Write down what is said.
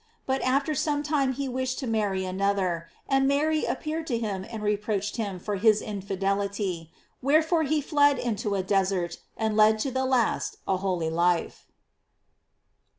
But after some time he wished to marry another, and Mary appeared to him and reproached him for his infidelity; wherefore lie fled into a desert and led to the last a holy life.